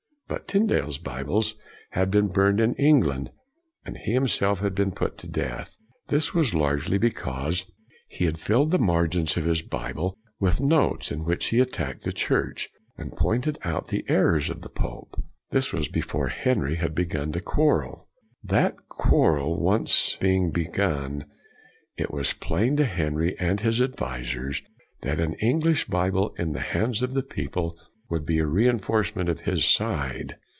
But Tyndale's Bibles had been burned in England, and he him self had been put to death. This was largely because he had filled the margins 84 CRANMER of his Bible with notes in which he at tacked the Church and pointed out the errors of the pope. This w r as before Henry had begun his quarrel. That quar rel once being begun, it was plain to Henry and his advisers that an English Bible in the hands of the people would be a reinforcement to his side.